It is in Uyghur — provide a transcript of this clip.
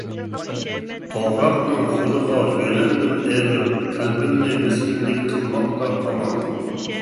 توغراقنىڭ غولىغا يۆلەندىم ئېغىر، قەلبىمنى مىسكىنلىك قىلماقتا قامال.